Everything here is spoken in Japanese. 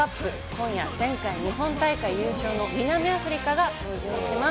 今夜、前回、日本大会優勝の南アフリカが登場します。